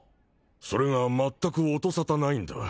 それが全く音沙汰ないんだ